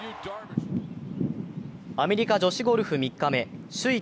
アメリカ女子ゴルフ３日目首位